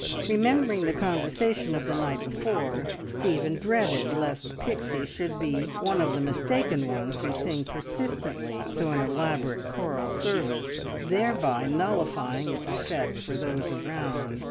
Remembering the conversation of the night before, Stephen dreaded lest Pixie should be one of the mistaken ones who sing persistently through an elaborate choral service, thereby nullifying its effect for those around.